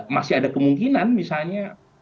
masih ada kemungkinan misalnya